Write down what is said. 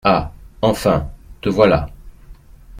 Ah ! enfin ! te voilà ?